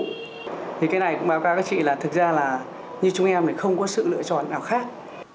thì cái này cũng báo cáo các chị là thực ra là như chúng em thì không có sự lựa chọn nào khác